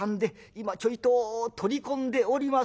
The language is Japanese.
今ちょいと取り込んでおりますんで」。